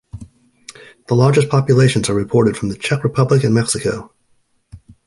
The largest populations are reported from the Czech Republic and Mexico.